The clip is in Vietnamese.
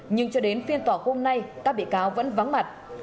nhưng cho đến phiên tòa hôm nay các bị cáo vẫn vắng mặt